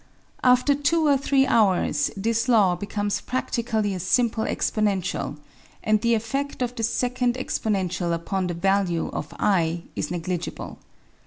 After two or three hours this law becomes pradtically a simple exponential, and the effedt of the second exponential upon the value of I is negligible.